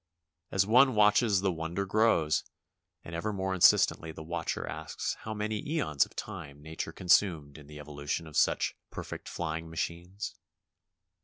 As one watches the wonder grows, and ever more insistently the watcher asks how many eons of time nature consumed in the evolution of such per 278 DIVERSIONS OF A CONVALESCENT feet flying machines.